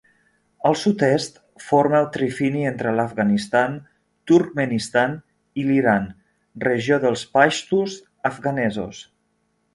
Al sud-est forma el trifini entre l'Afganistan, Turkmenistan i l'Iran, regió dels paixtus afganesos.